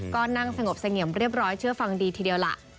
ก็นั่งสงบเสงี่ยมเรียบร้อยเชื่อฟังดีทีเดียวล่ะ